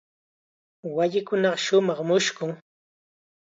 Waykunaqa shumaq mushkun.